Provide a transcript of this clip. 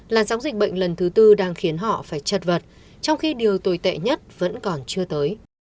làn sóng dịch bệnh lần thứ tư đang khiến họ phải chật vật trong khi điều tồi tệ nhất vẫn còn chưa tới